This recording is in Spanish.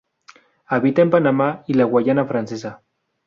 Habita en Panamá y la Guayana Francesa.